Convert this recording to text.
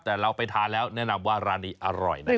แต่เราไปทานแล้วแนะนำว่าร้านนี้อร่อยนะครับ